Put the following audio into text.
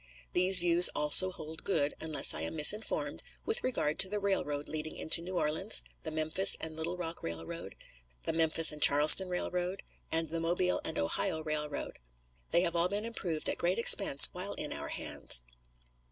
These views also hold good, unless I am misinformed, with regard to the railroad leading into New Orleans, the Memphis and Little Rock Railroad, the Memphis and Charleston Railroad, and the Mobile and Ohio Railroad. They have all been improved at great expense while in our hands.